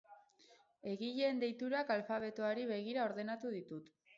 Egileen deiturak alfabetoari begira ordenatu ditut.